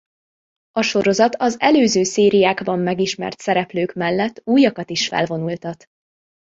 A sorozat az előző szériákban megismert szereplők mellett újakat is felvonultat.